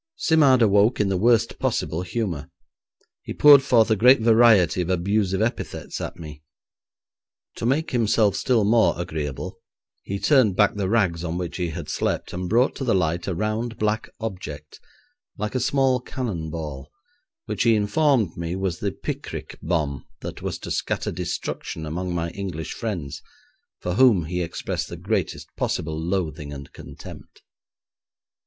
Simard awoke in the worst possible humour. He poured forth a great variety of abusive epithets at me. To make himself still more agreeable, he turned back the rags on which he had slept, and brought to the light a round, black object, like a small cannon ball, which he informed me was the picric bomb that was to scatter destruction among my English friends, for whom he expressed the greatest possible loathing and contempt.